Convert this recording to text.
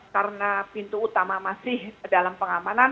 karena pintu utama masih dalam pengamanan